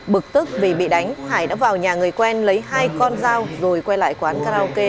bực tức vì bị đánh hải đã vào nhà người quen lấy hai con dao rồi quay lại quán karaoke